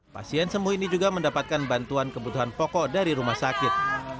pasien sembuh ini juga mendapatkan bantuan kebutuhan pokok dari rumah sakit